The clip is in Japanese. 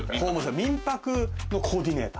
民泊のコーディネーター。